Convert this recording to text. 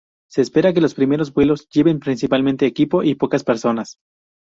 Se espera que los primeros vuelos lleven principalmente equipo y pocas personas.